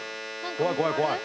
怖い怖い怖い。